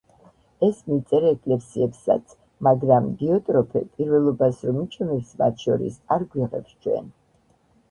ეს მივწერე ეკლესიებსაც, მაგრამ დიოტროფე, პირველობას რომ იჩემებს მათ შორის, არ გვიღებს ჩვენ.